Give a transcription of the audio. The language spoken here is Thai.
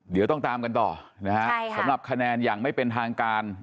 เดี๋ยวต้องตามกันต่อนะฮะสำหรับคะแนนอย่างไม่เป็นทางการ